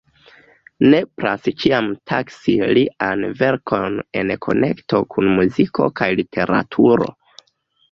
Nepras ĉiam taksi liajn verkojn en konekto kun muziko kaj literaturo.